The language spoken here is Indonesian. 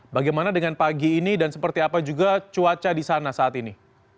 bagaimana dengan pagi ini dan seperti apa juga cuaca di sana saat ini